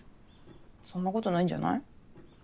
そんなことないんじゃない？